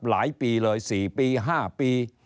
หลายปีเลยสี่ปีห้าปี